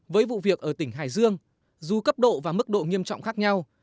với vụ việc ở tỉnh hải dương dù cấp độ và mức độ nghiêm trọng khác nhau